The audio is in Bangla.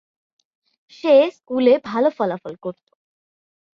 সে স্কুলে ভাল ফলাফল করত।